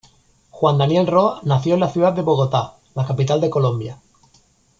Juan Daniel Roa, nació en la ciudad de Bogotá, la capital de Colombia.